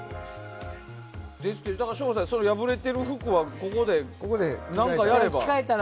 省吾さん、破れてる服はここで何かやれば。